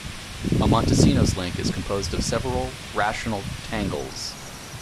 A Montesinos link is composed of several rational tangles.